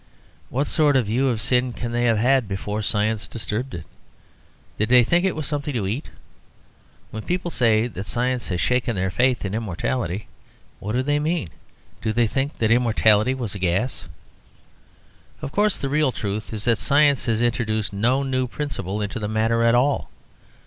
What sort of view of sin can they have had before science disturbed it? Did they think that it was something to eat? When people say that science has shaken their faith in immortality, what do they mean? Did they think that immortality was a gas? Of course the real truth is that science has introduced no new principle into the matter at all.